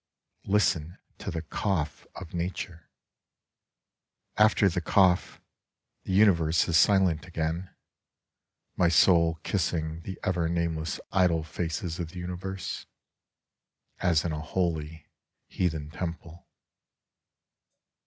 Listen to the cough of Nature ! After the cough, the Universe is silent again, my soul kissing the ever nameless idol faces of the Universe, as in a holy heathen temple.